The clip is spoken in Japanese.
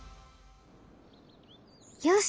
よし！